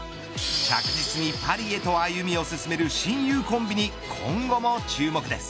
着実にパリへと歩みを進める親友コンビに今後も注目です。